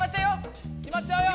決まっちゃうよ。